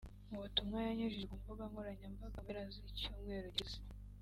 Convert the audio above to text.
Mu butumwa yanyujije ku mbuga nkoranyambaga mu mpera z’icyumweru gishize